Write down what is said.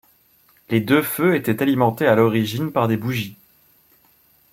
Les deux feux étaient alimentés à l'origine par des bougies.